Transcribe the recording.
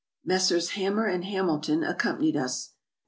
Messrs. Hammer and Hamilton accompanied us.